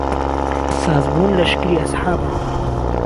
ساز بوون لهشکری ئەسحابان